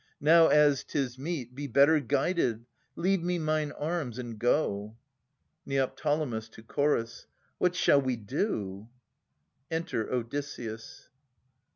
Now, as 'tis meet. Be better guided — leave me mine arms, and go. Ned. (fo Chorus). What shall we do? Enter Odysseus.